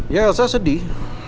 ya elsa sedih